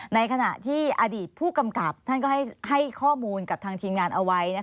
ในขณะที่อดีตผู้กำกับท่านก็ให้ข้อมูลกับทางทีมงานเอาไว้